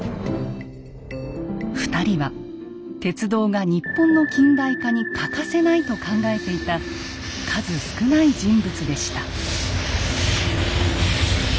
２人は鉄道が日本の近代化に欠かせないと考えていた数少ない人物でした。